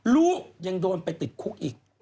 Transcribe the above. ลูกยังโดนไปติดคุกอีก